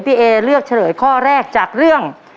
พี่เอเลือกเฉลยข้อแรกจากเรื่อง